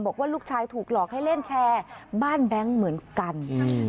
บอกว่าลูกชายถูกหลอกให้เล่นแชร์บ้านแบงค์เหมือนกัน